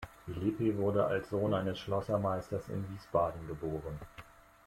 Philippi wurde als Sohn eines Schlossermeisters in Wiesbaden geboren.